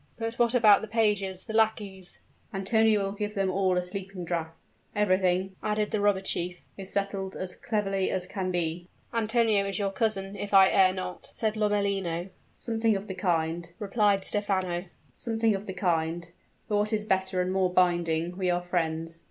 "But what about the pages, the lackeys " "Antonio will give them all a sleeping draught. Everything," added the robber chief, "is settled as cleverly as can be." "Antonio is your cousin, if I err not?" said Lomellino. "Something of the kind," replied Stephano; "but what is better and more binding we are friends.